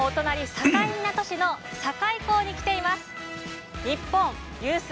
境港市の境港港に来ています。